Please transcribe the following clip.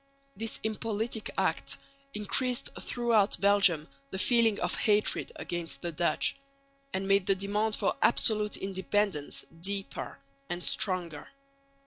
This impolitic act increased throughout Belgium the feeling of hatred against the Dutch, and made the demand for absolute independence deeper and stronger.